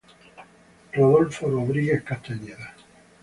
Rodolfo Rodríguez Castañeda.